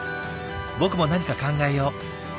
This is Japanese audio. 僕も何か考えよう。